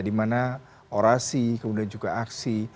dimana orasi kemudian juga aksi